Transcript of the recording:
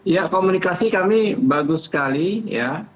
ya komunikasi kami bagus sekali ya